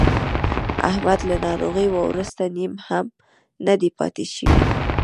احمد له ناروغۍ ورسته نیم هم نه دی پاتې شوی.